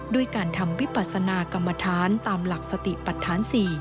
ด้วยการทำวิปัสนากรรมฐานตามหลักสติปัทธาน๔